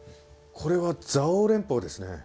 これは蔵王連峰ですね。